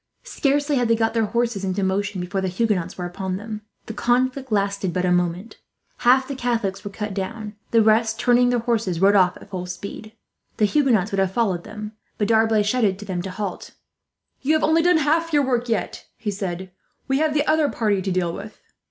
Scarcely had they got their horses into motion before the Huguenots were upon them. The conflict lasted but a minute. Half the Catholics were cut down; the rest, turning their horses, rode off at full speed. The Huguenots would have followed them, but D'Arblay shouted to them to halt. "You have only done half your work yet," he said. "We have the other party to deal with."